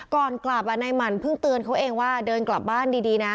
ก่อนกลับนายหมั่นเพิ่งเตือนเขาเองว่าเดินกลับบ้านดีนะ